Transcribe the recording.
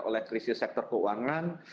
oleh krisis sektor keuangan